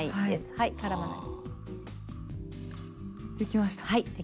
はいできました。